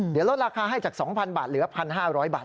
เดี๋ยวลดราคาให้จาก๒๐๐บาทเหลือ๑๕๐๐บาท